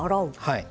はい。